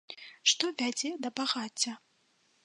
Што вядзе да багацця?